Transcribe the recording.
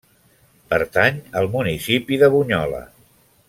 Pertany al municipi de Bunyola.